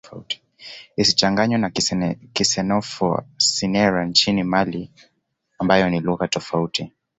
Isichanganywe na Kisenoufo-Syenara nchini Mali ambayo ni lugha tofauti.